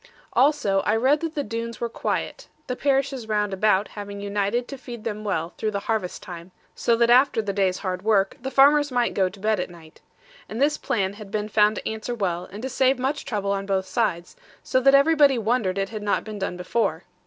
Also I read that the Doones were quiet; the parishes round about having united to feed them well through the harvest time, so that after the day's hard work, the farmers might go to bed at night. And this plan had been found to answer well, and to save much trouble on both sides, so that everybody wondered it had not been done before.